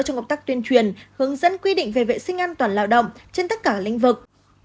trong công tác tuyên truyền hướng dẫn quy định về vệ sinh an toàn lao động trên tất cả lĩnh vực